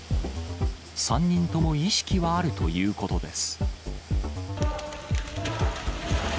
３人とも意識はあるということです。